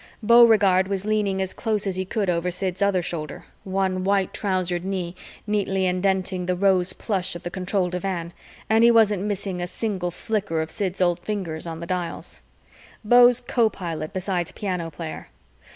Beauregard was leaning as close as he could over Sid's other shoulder, one white trousered knee neatly indenting the rose plush of the control divan, and he wasn't missing a single flicker of Sid's old fingers on the dials; Beau's co pilot besides piano player.